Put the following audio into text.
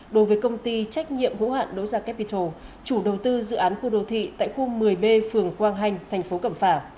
đối với công ty trách nhiệm hữu hạn doja capital chủ đầu tư dự án khu đô thị tại khu một mươi b phường quang hanh thành phố cẩm phả